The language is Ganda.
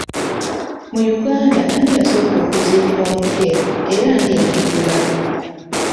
Mu Uganda ani yasooka okuziikibwa mu kkeesi era ani yagigula?